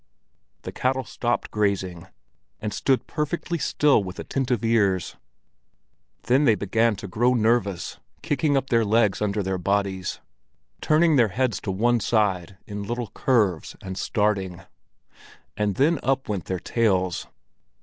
The cattle stopped grazing and stood perfectly still with attentive ears. Then they began to grow nervous, kicking up their legs under their bodies, turning their heads to one side in little curves, and starting; and then up went their tails.